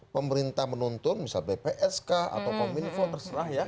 pemerintah menuntun misal bpsk atau kominfo terserah ya